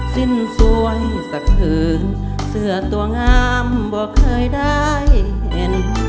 สิ้นสวยสะเทินเสื้อตัวงามบอกเคยได้เห็น